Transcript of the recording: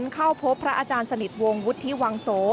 การสนิทวงวุฒิวังโส